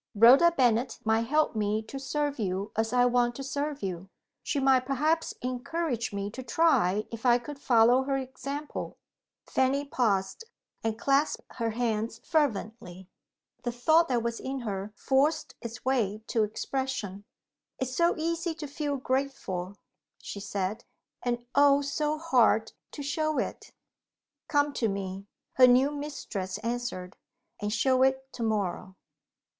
"Rhoda Bennet might help me to serve you as I want to serve you; she might perhaps encourage me to try if I could follow her example." Fanny paused, and clasped her hands fervently. The thought that was in her forced its way to expression. "It's so easy to feel grateful," she said "and, oh, so hard to show it!" "Come to me," her new mistress answered, "and show it to morrow."